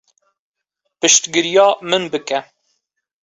Piştgiriya min bike.